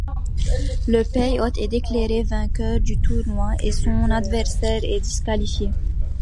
Le pays hôte est déclaré vainqueur du tournoi et son adversaire est disqualifié.